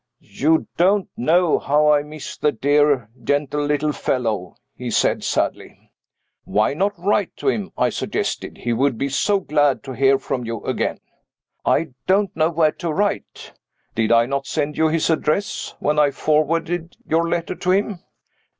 "You don't know how I miss the dear gentle little fellow," he said, sadly. "Why not write to him?" I suggested. "He would be so glad to hear from you again." "I don't know where to write." "Did I not send you his address when I forwarded your letter to him?"